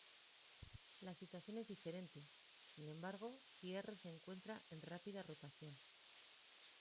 La situación es diferente, sin embargo, si "R" se encuentra en rápida rotación.